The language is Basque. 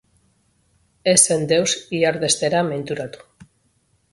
Ez zen deus ihardestera menturatu